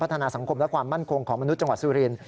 พัฒนาสังคมและความมั่นคงของมนุษย์จังหวัดสุรินท